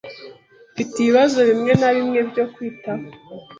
Mfite ibibazo bimwe na bimwe byo kwitaho.